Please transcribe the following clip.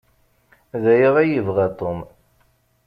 D aya ay yebɣa Tom.